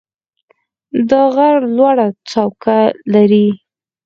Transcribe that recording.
دا غر لوړه څوکه لري.